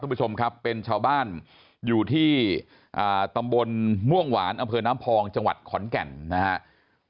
ผู้ชมครับเป็นชาวบ้านอยู่ที่ตำบลม่วงหวานอำเภอน้ำพองจังหวัดขอนแก่นนะครับ